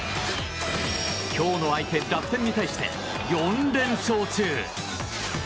今日の相手、楽天に対して４連勝中。